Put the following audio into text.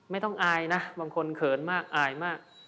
ไม่ต้องอายนะบางคนเขินมากอายมาก